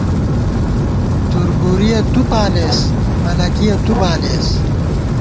تُوربُوریہ تُو پالېس ، ملَکِیہ تُو بالېس